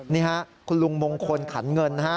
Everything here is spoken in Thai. นี่ฮะคุณลุงมงคลขันเงินนะฮะ